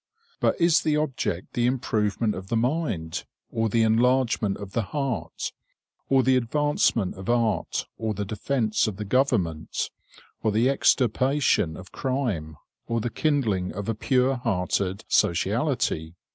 But is the object the improvement of the mind, or the enlargement of the heart, or the advancement of art, or the defence of the government, or the extirpation of crime, or the kindling of a pure hearted sociality?